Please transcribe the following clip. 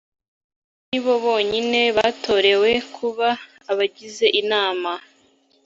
aribo bonyine batorewe kuba abagize inama